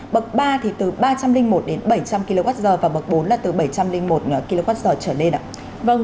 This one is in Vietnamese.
bậc ba thì từ ba trăm linh một đến bảy trăm linh kwh và bậc bốn là từ bảy trăm linh một kwh trở lên ạ